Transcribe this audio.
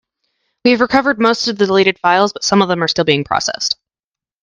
We have recovered most of the deleted files, but some are still being processed.